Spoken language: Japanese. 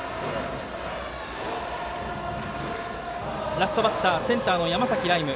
ラストバッターセンターの山崎徠夢。